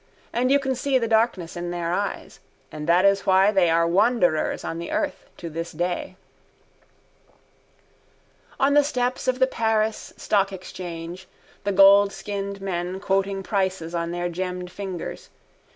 And you can see the darkness in their eyes. And that is why they are wanderers on the earth to this day. On the steps of the Paris stock exchange the goldskinned men quoting prices on their gemmed fingers.